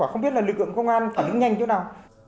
tôi không biết là lực lượng công an phản ứng nhanh chỗ nào